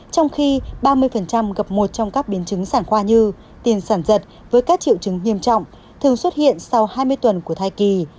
trong khi ba mươi gặp một trong các biến chứng sản khoa như tiền sản giật với các triệu chứng nghiêm trọng thường xuất hiện sau hai mươi tuần của thai kỳ